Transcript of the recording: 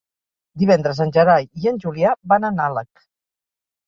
Divendres en Gerai i en Julià van a Nalec.